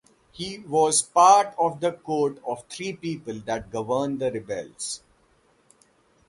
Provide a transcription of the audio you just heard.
He was part of the court of three people that governed the rebels.